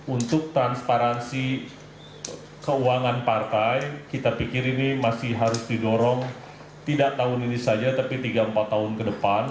untuk transparansi keuangan partai kita pikir ini masih harus didorong tidak tahun ini saja tapi tiga empat tahun ke depan